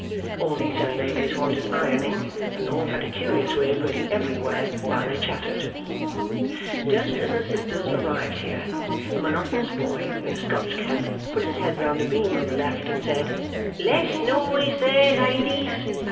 All these young ladies wanted ironing, and all had a curious way of looking everywhere while they chattered. Just as the sisters arrived here, a monotonous boy in a Scotch cap put his head round a beam on the left, and said, 'Less noise there, ladies!